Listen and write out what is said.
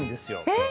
えっ？